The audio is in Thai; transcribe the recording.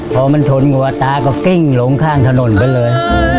พอมันทนหัวตาก็กิ้งลงข้างถนนไปเลย